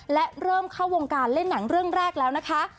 และเริ่มเข้าวงการเล่นหนังเรื่องแรกแล้วนะคะ